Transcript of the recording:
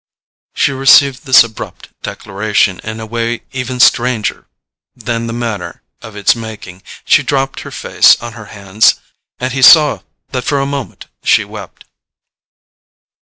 She received this abrupt declaration in a way even stranger than the manner of its making: she dropped her face on her hands and he saw that for a moment she wept.